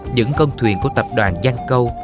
những con thuyền của tập đoàn giang câu